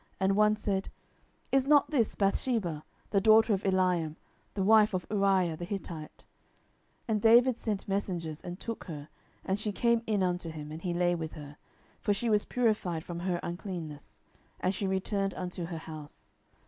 And one said, Is not this Bathsheba, the daughter of Eliam, the wife of Uriah the Hittite? 10:011:004 And David sent messengers, and took her; and she came in unto him, and he lay with her; for she was purified from her uncleanness: and she returned unto her house.